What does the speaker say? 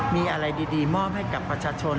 มีอะไรดีมอบให้กับประชาชน